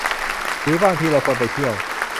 หรือบางทีเราควรไปเที่ยว